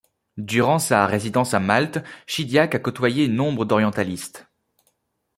Durant sa résidence à Malte, Chidyâq a côtoyé nombre d'orientalistes.